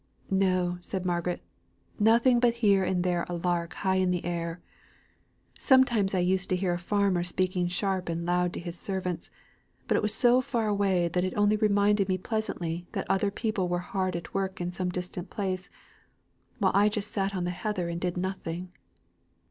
"No," said Margaret; "nothing but here and there a lark high in the air. Sometimes I used to hear a farmer speaking sharp and loud to his servants; but it was so far away that it only reminded me pleasantly that other people were hard at work in some distant place, while I just sat on the heather and did nothing."